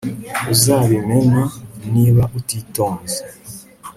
Uzabimena niba utitonze